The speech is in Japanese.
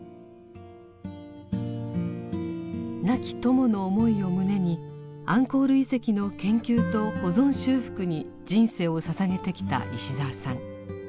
亡き友の思いを胸にアンコール遺跡の研究と保存修復に人生をささげてきた石澤さん。